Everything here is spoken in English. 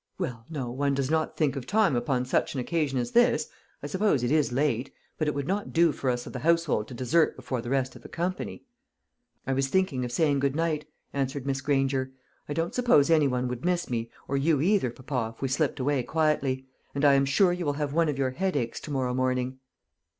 "Well, no, one does not think of time upon such an occasion as this. I suppose it is late; but it would not do for us of the household to desert before the rest of the company." "I was thinking of saying good night," answered Miss Granger. "I don't suppose any one would miss me, or you either, papa, if we slipped away quietly; and I am sure you will have one of your headaches to morrow morning."